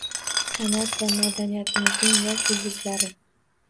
Sa’nat va madaniyatimizning yosh yulduzlari